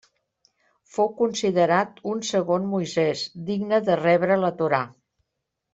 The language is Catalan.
Fou considerat un segon Moisès, digne de rebre la Torà.